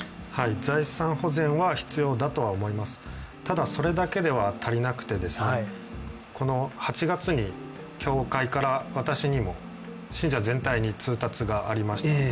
財産保全は必要だとは思います、ただ、それだけでは足りなくて、この８月に教会から私にも信者全体に通達がありました。